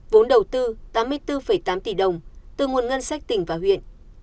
vốn đầu tư tám mươi bốn tám tỷ đồng từ nguồn ngân sách tỉnh và huyện